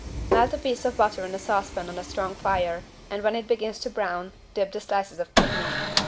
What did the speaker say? Melt a piece of butter in a saucepan on a strong fire and when it begins to brown, dip the slices of kidney.